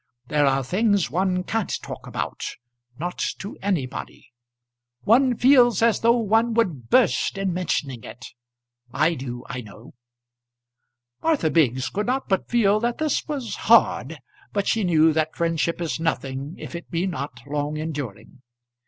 There are things one can't talk about, not to anybody. One feels as though one would burst in mentioning it. I do, I know." Martha Biggs could not but feel that this was hard, but she knew that friendship is nothing if it be not long enduring.